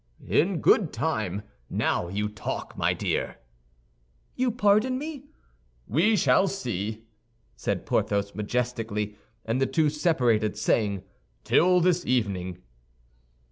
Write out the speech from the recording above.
"In good time. Now you talk, my dear." "You pardon me?" "We shall see," said Porthos, majestically; and the two separated saying, "Till this evening."